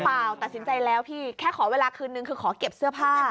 เปล่าตัดสินใจแล้วพี่แค่ขอเวลาคืนนึงคือขอเก็บเสื้อผ้า